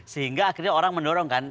sehingga akhirnya orang mendorongkan